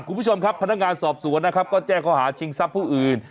คุณผู้ชมครับพนักงานสอบสวนนะครับก็แจ้งเขาหาชิงทรัพย์ผู้อื่น